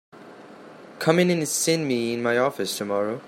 Come in and see me in my office tomorrow.